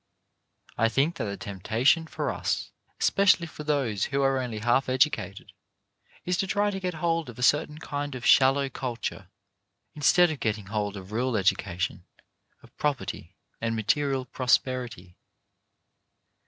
I think that the temptation for us, especially for those who are only half educated, is to try to get hold of a certain kind of shallow culture, in stead of getting the substantial — instead of getting hold of real education, of property and material prosperity.